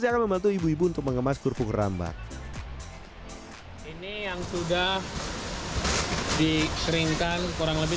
saya akan membantu ibu ibu untuk mengemas kerupuk rambak ini yang sudah dikeringkan kurang lebih